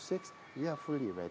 kita sudah siap untuk bergerak